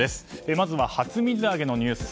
まずは初水揚げのニュース。